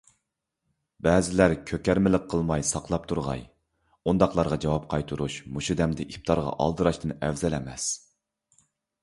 بەزىلەر كۆكەرمىلىك قىلماي ساقلاپ تۇرغاي. ئۇنداقلارغا جاۋاب قايتۇرۇش مۇشۇ دەمدە ئىپتارغا ئالدىراشتىن ئەۋزەل ئەمەس.